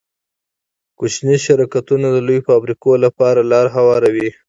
کوچني شرکتونه د لویو فابریکو لپاره لاره هواروي.